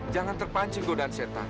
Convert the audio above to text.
jangan terpancing godaan setan